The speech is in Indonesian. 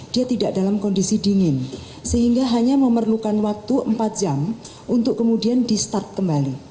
dia tidak dalam kondisi dingin sehingga hanya memerlukan waktu empat jam untuk kemudian di start kembali